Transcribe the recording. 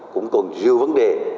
cũng còn nhiều vấn đề